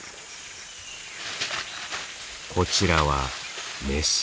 こちらはメス。